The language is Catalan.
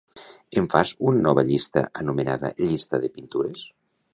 Em fas una nova llista anomenada "llista de pintures"?